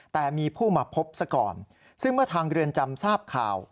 แต่มีผู้มาพบซะก่อนซึ่งเมื่อทางเรือนจำทราบข่าว